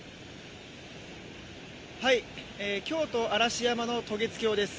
京都・嵐山の渡月橋です。